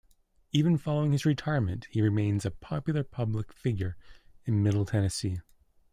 Even following his retirement, he remains a popular public figure in Middle Tennessee.